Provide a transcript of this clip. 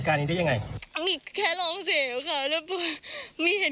เป็นใจเป็นยอดจน